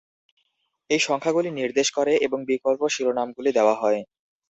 এই সংখ্যাগুলি নির্দেশ করে এবং বিকল্প শিরোনামগুলি দেওয়া হয়।